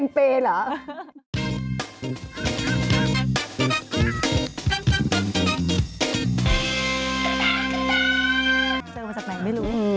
เจอมาจากไหนไม่รู้